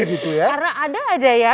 karena ada saja ya